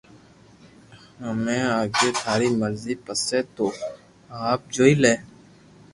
ھمي آگي ٿاري مرزي پسي تو آپ جوئي لي